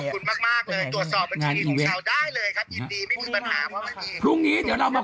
ตรวจสอบได้เลยครับยินดีไม่มีปัญหาว่าพรุ่งนี้เดี๋ยวเรามา